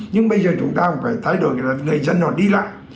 nhưng bây giờ chúng ta phải thay đổi là người dân họ đi lại